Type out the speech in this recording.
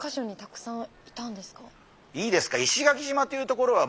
いいですか